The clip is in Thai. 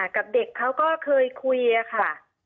กับเด็กเขาก็เคยคุยค่ะ